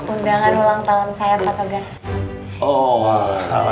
undangan ulang tahun saya pak togar